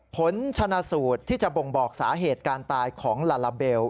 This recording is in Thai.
ผลชนะสูตรที่จะบ่งบอกสาเหตุการตายของลาลาเบล